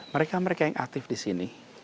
mereka mereka yang aktif di sini